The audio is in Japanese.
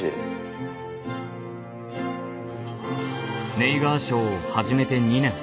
ネイガーショーを始めて２年。